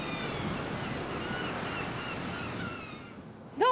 どう？